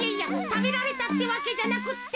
たべられたってわけじゃなくって。